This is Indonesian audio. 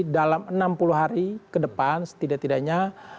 dalam enam puluh hari ke depan setidak tidaknya